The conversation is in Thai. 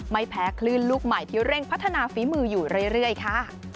ไม่แพ้คลื่นลูกใหม่ที่เร่งพัฒนาฝีมืออยู่เรื่อยค่ะ